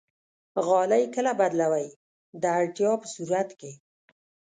غالۍ کله بدلوئ؟ د اړتیا په صورت کې